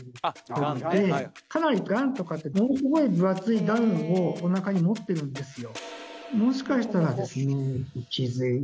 かなりガンとかってものすごい分厚いダウンをおなかに持ってるんですよ。